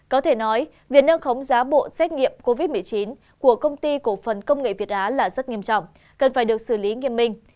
có thể nói việc nâng khống giá bộ xét nghiệm covid một mươi chín của công ty cổ phần công nghệ việt á là rất nghiêm trọng cần phải được xử lý nghiêm minh